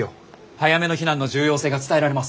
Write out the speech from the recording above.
早めの避難の重要性が伝えられます。